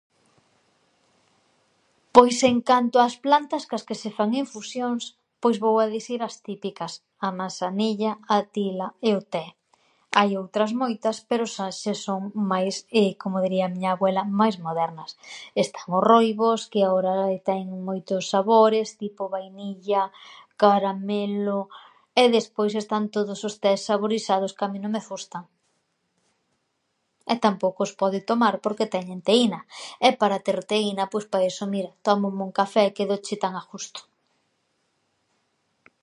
Pois en canto ás plantas cas que se fan infusións, pois vou a disir as típicas: a mansanilla, a tila e o té. Hai outras moitas pero xa se son máis, como diría a miña abuela, máis modernas. Están o roibos, que ahora ten moitos sabores, tipo vainilla, caramelo e despois están todos os tés saborisados que a min non me ghustan. E tampouco os pode tomar porque teñen teína e para ter teína, pois pa eso, mira, tómome un café e quédoche tan a ghusto.